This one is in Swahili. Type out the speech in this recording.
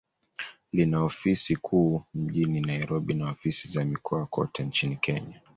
Lina ofisi kuu mjini Nairobi, na ofisi za mikoa kote nchini Kenya.